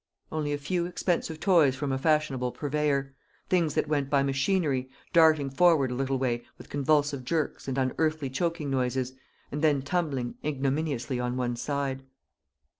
Only a few expensive toys from a fashionable purveyor things that went by machinery, darting forward a little way with convulsive jerks and unearthly choking noises, and then tumbling ignominiously on one side.